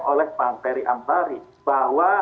oleh bang ferry ambari bahwa